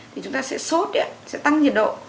thì chúng ta sẽ sốt sẽ tăng nhiệt độ